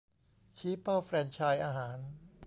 ชี้เป้าแฟรนไชส์อาหาร